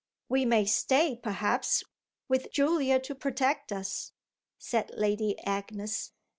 "We may stay perhaps with Julia to protect us," said Lady Agnes.